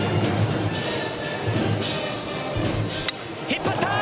引っ張った。